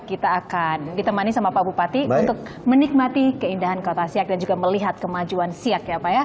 kita akan ditemani sama pak bupati untuk menikmati keindahan kota siak dan juga melihat kemajuan siak ya pak ya